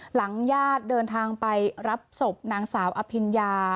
ญาติเดินทางไปรับศพนางสาวอภิญญา